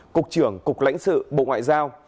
cục trưởng cục lãnh sự bộ ngoại giao